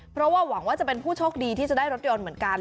เพราะว่าหวังว่าจะเป็นผู้โชคดีที่จะได้รถยนต์เหมือนกัน